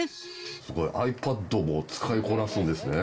すごい、ｉＰａｄも使いこなすんですね。